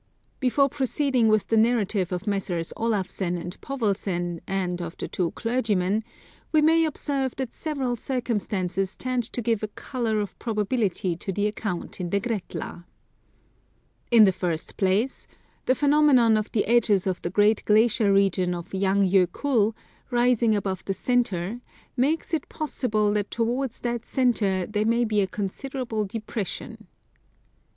Before proceeding with the narrative of Messrs. Olafsen and Povelsen, and of the two clergymen, we may observe that several circumstances tend to give a colour of probability to the account in the Gretla. 221 Curiosities of Olden Times In the first place, the phenomenon of the edges of the great glacier region of Lang Jokull rising above the centre, makes it possible that towards that centre there may be a considerable depression.